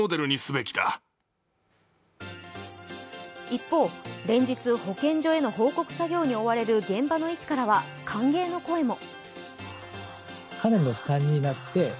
一方、連日保健所への報告作業に追われる現場の医師からは歓迎の声も。